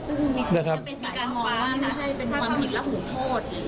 ซึ่งถ้าเป็นการมองว่าไม่ใช่เป็นความผิดและห่วงโทษ